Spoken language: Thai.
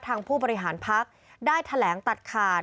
ผู้บริหารพักได้แถลงตัดขาด